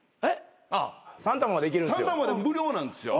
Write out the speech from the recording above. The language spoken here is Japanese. ３玉まで無料なんですよ。